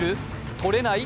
とれない？